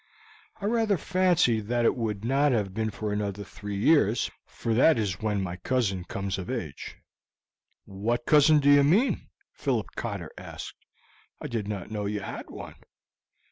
I rather fancied that it would not have been for another three years, for that is when my cousin comes of age." "What cousin do you mean?" Philip Cotter asked. "I did not know you had one."